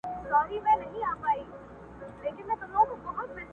o چي نامردو اسونه وکړل، اول ئې پر خپلو وترپول٫